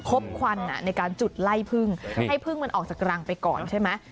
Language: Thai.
ควันในการจุดไล่พึ่งให้พึ่งมันออกจากรังไปก่อนใช่ไหม